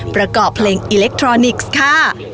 ประกอบเพลงอิเล็กทรอนิกส์ค่ะ